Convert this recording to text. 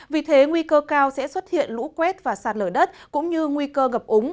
vì thế nguy cơ cao sẽ xuất hiện lũ quét và sạt lở đất cũng như nguy cơ ngập úng